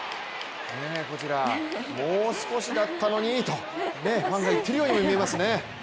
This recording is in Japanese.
こちらもう少しだったのにとファンが言っているようにも見えますね。